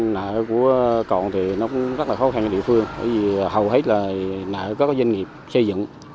nợ của còn thì nó cũng rất là khó khăn cho địa phương bởi vì hầu hết là nợ các doanh nghiệp xây dựng